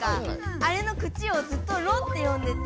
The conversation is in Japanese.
あれの「口」をずっと「ろ」って読んでて。